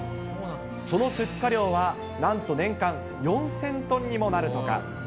その出荷量は、なんと年間４０００トンにもなるとか。